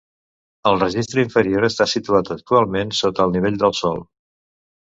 El registre inferior està situat actualment sota el nivell del sòl.